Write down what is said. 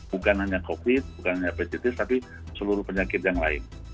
bukan hanya covid bukan hanya hepatitis tapi seluruh penyakit yang lain